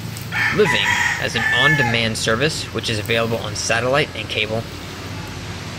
Living has an on demand service which is available on satellite and cable.